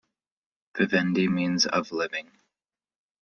"Vivendi" means "of living".